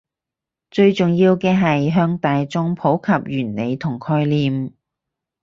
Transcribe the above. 最重要嘅係向大衆普及原理同概念